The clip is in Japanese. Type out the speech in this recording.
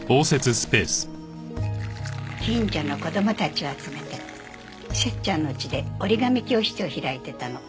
近所の子供たちを集めてセッちゃんの家で折り紙教室を開いてたの。